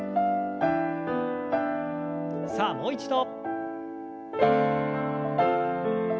さあもう一度。